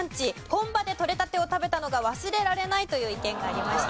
「本場でとれたてを食べたのが忘れられない」という意見がありました。